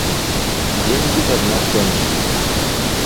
Деньги давно кончились.